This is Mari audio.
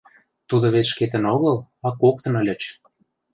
— Тудо вет шкетын огыл, а коктын ыльыч.